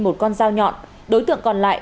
một con dao nhọn đối tượng còn lại